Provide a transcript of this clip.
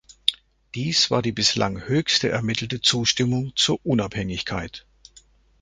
Dies war die bislang höchste ermittelte Zustimmung zur Unabhängigkeit.